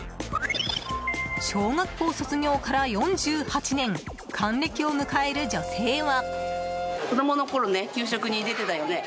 小学校卒業から４８年還暦を迎える女性は。